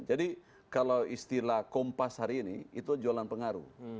jadi kalau istilah kompas hari ini itu jualan pengaruh